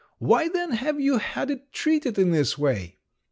Why, then, have you had it treated in this way?"